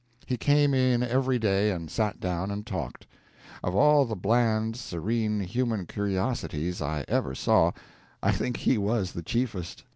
He came in every day and sat down and talked. Of all the bland, serene human curiosities I ever saw, I think he was the chiefest.